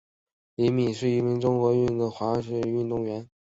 李敏是一名中国女子花样游泳运动员。